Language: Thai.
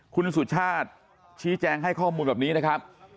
คุณสุชาติชี้แจงให้ข้อมูลแบบนี้นะครับ